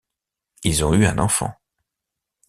Ils ont eu un enfant.